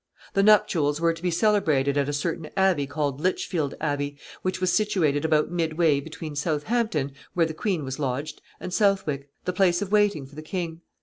The nuptials were to be celebrated at a certain abbey called Lichfield Abbey, which was situated about midway between Southampton, where the queen was lodged, and Southwick, the place of waiting for the king.